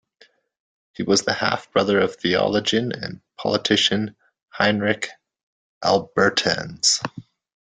He was the half-brother of theologian and politician Heinrich Albertz.